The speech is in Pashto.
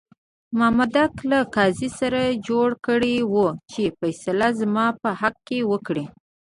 مامدک له قاضي سره جوړه کړې وه چې فیصله زما په حق کې وکړه.